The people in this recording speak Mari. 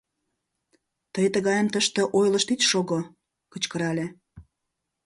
— Тый тыгайым тыште ойлышт ит шого! — кычкырале.